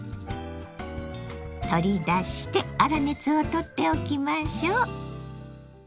取り出して粗熱をとっておきましょう。